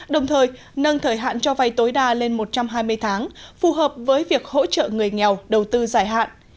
đồng thời nâng thời hạn cho vay tối đa lên một trăm hai mươi tháng phù hợp với việc hỗ trợ người nghèo đầu tư dài hạn